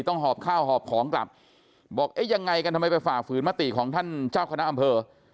หอบข้าวหอบของกลับบอกเอ๊ะยังไงกันทำไมไปฝ่าฝืนมติของท่านเจ้าคณะอำเภอ